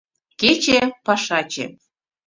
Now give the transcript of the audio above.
Кече — пашаче